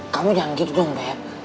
kamu jangan gitu dong beb